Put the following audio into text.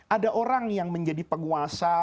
ada orang yang menjadi penguasa